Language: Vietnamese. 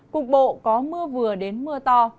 cục bộ có mưa vừa đến mưa to